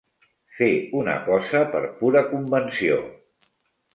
Fer una cosa per pura convenció.